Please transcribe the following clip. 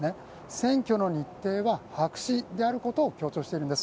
選挙の日程は白紙であることを強調しているんです。